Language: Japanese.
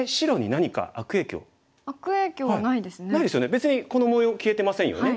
別にこの模様消えてませんよね。